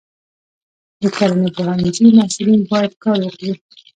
د کرنې پوهنځي محصلین باید کار وکړي.